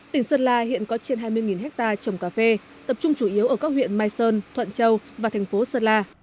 tỉnh sơn la hiện có trên hai mươi hectare trồng cà phê tập trung chủ yếu ở các huyện mai sơn thuận châu và thành phố sơn la